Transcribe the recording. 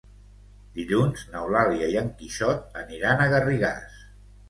Dilluns n'Eulàlia i en Quixot aniran a Garrigàs.